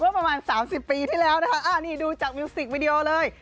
ประมาณ๓๐ปีที่แล้วนะคะนี่ดูจากมิวสิกวิดีโอเลย